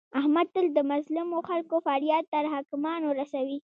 احمد تل د مظلمو خلکو فریاد تر حاکمانو رسوي.